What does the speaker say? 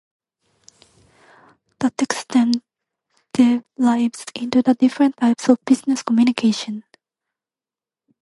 The text then delves into the different types of business communication.